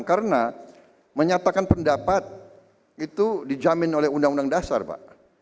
karena menyatakan pendapat itu dijamin oleh undang undang dasar pak